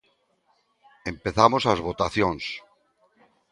Empezamos as votacións.